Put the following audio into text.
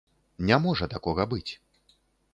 Не можа такога быць.